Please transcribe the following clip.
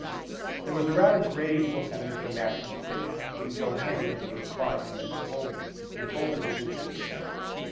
There was rather a grave look on Mr. Matson's face when Joe handed him the reply from Mr. Holdney, and told of his interview.